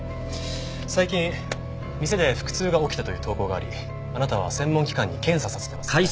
最近店で腹痛が起きたという投稿がありあなたは専門機関に検査させてますよね？